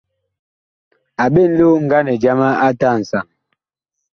A ɓen lioŋganɛ jama ate a nsaŋ.